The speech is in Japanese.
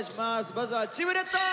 まずはチームレッド。